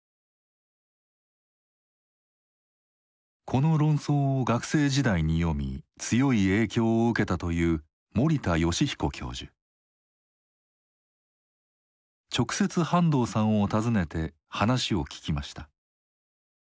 この論争を学生時代に読み強い影響を受けたという直接半藤さんを訪ねて話を聞きました。